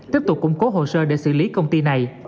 tiếp tục củng cố hồ sơ để xử lý công ty này